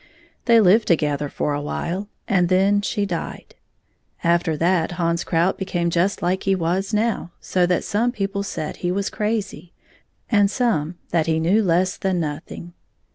They lived together for a while, and then she died. After that Hans Krout became just as he was now, so that some people said he was crazy, and some that he knew less than nothing.